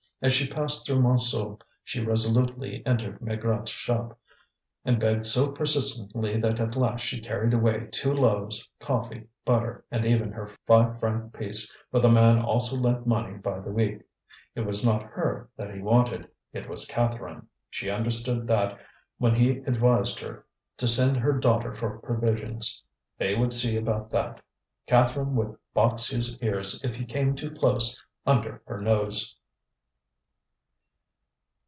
As she passed through Montsou she resolutely entered Maigrat's shop, and begged so persistently that at last she carried away two loaves, coffee, butter, and even her five franc piece, for the man also lent money by the week. It was not her that he wanted, it was Catherine; she understood that when he advised her to send her daughter for provisions. They would see about that. Catherine would box his ears if he came too close under her nose.